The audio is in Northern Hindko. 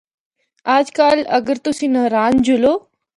اجّ کل اگر تُسیں ناران جُلّو۔